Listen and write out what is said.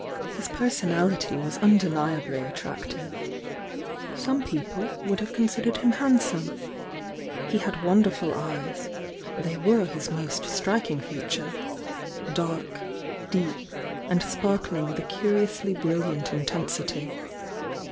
His personality was undeniably attractive, — some people would have considered him handsome. He had wonderful eyes, — they were his most striking feature— dark, deep, and sparkling with a curiously brilliant intensity.